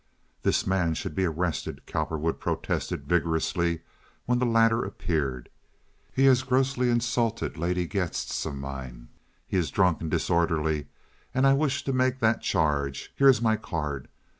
"This man should be arrested," Cowperwood protested, vigorously, when the latter appeared. "He has grossly insulted lady guests of mine. He is drunk and disorderly, and I wish to make that charge. Here is my card.